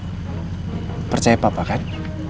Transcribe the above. kau percaya papa kan